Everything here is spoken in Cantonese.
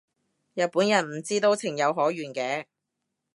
日本人唔知都情有可原嘅